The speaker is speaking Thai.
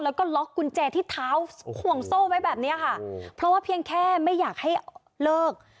แล้วก็ล็อกกุญแจที่เท้าห่วงโซ่ไว้แบบนี้ค่ะเพราะว่าเพียงแค่ไม่อยากให้เลิก